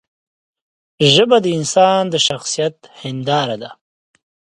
ژبه د انسان د شخصیت هنداره ده